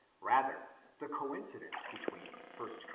Rather the coincidence between 1 Cor.